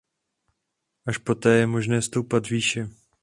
Až poté je možné stoupat výše.